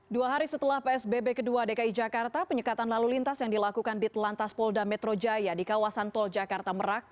dua hari setelah psbb ke dua dki jakarta penyekatan lalu lintas yang dilakukan di telantas polda metro jaya di kawasan tol jakarta merak